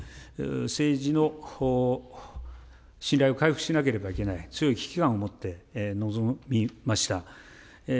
政治の信頼を回復しなければいけない強い危機感を持って臨みました。